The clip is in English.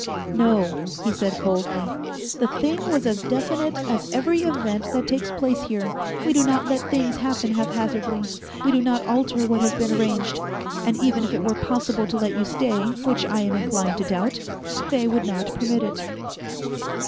"No," he said coldly, "the thing was as definite as every event that takes place here. We do not let things happen haphazardly. We do not alter what has been arranged. And even if it were possible to let you stay which I am inclined to doubt they would not permit it."